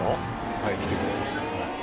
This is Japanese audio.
はい来てくれました。